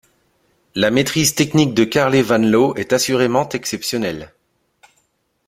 La maîtrise technique de Carle van Loo est assurément exceptionnelle.